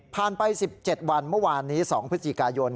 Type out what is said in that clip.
ไป๑๗วันเมื่อวานนี้๒พฤศจิกายน